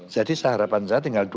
jadi seharapan saya tinggal dua